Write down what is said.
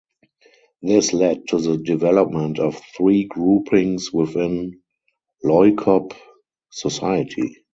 This led to the development of three groupings within Loikop society.